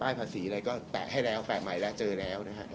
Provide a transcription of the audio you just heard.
ภาษีอะไรก็แปะให้แล้วแปะใหม่แล้วเจอแล้วนะฮะ